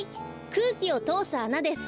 くうきをとおすあなです。